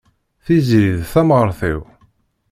Tiziri d tamɣart-iw.